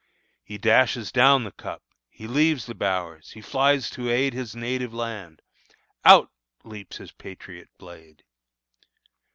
He dashes down The cup, he leaves the bowers; he flies to aid His native land. Out leaps his patriot blade!